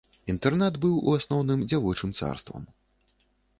Інтэрнат быў у асноўным дзявочым царствам.